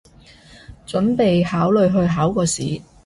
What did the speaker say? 準備考慮去考個試